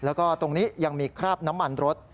แล้วก็ตรงนี้ยังมีคราบน้ำมันรถ